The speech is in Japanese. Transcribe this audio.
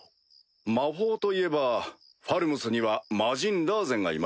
魔法といえばファルムスには魔人ラーゼンがいましたね。